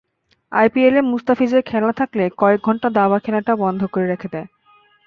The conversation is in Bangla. আইপিএলে মুস্তাফিজের খেলা থাকলে কয়েক ঘণ্টা দাবা খেলাটাও বন্ধ রেখে দেয়।